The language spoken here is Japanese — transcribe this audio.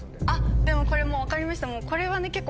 あっでもこれもう分かりましたこれはね。